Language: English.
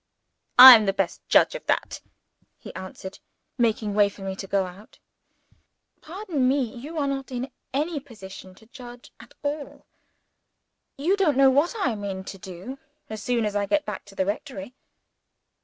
"I am the best judge of that," he answered, making way for me to go out. "Pardon me, you are not in a position to judge at all. You don't know what I mean to do as soon as I get back to the rectory."